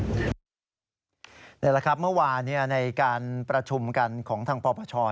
นี่แหละครับเมื่อวานในการประชุมกันของทางปปช